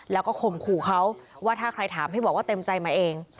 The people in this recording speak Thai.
แล้วก็ข่มขู่เขาว่าถ้าใครถามให้บอกว่าเต็มใจมาเอง